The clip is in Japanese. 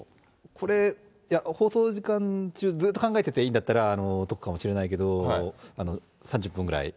これ、いや、放送時間中ずっと考えてていいんだったら解くかもしれないけど、３０分ぐらい。